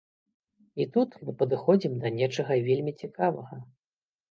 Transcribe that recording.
І тут мы падыходзім да нечага вельмі цікавага.